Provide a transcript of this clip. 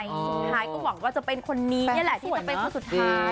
สุดท้ายก็หวังว่าจะเป็นคนนี้นี่แหละที่จะเป็นคนสุดท้าย